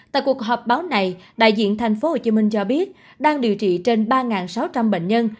tại cuộc họp báo này đại diện tp hcm cho biết đang điều trị trên ba sáu trăm linh bệnh nhân